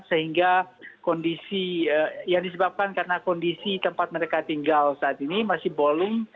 sehingga kondisi yang disebabkan karena kondisi tempat mereka tinggal saat ini masih bowling